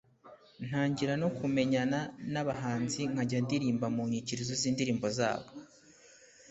ntangira no kumenyana n’abahanzi nkajya ndirimba mu nyikirizo z’indirimbo zabo.